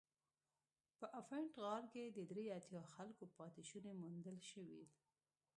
په افنټ غار کې د درې اتیا خلکو پاتې شوني موندل شول.